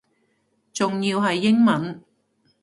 仲要係英文